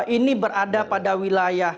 ini berada pada wilayah